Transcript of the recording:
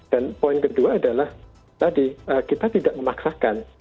dan poin kedua adalah tadi kita tidak memaksakan